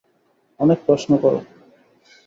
অনেক প্রশ্ন করো।